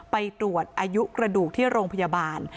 ไปตรวจอายุกระดูกที่โรงพยาบาล